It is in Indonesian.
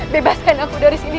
bebaskan aku dari sini